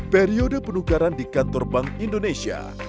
periode penukaran di kantor bank indonesia